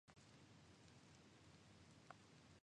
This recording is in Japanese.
石川県金沢市